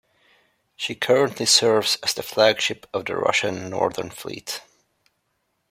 She currently serves as the flagship of the Russian Northern Fleet.